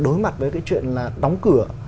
đối mặt với cái chuyện là đóng cửa